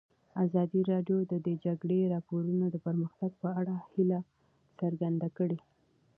ازادي راډیو د د جګړې راپورونه د پرمختګ په اړه هیله څرګنده کړې.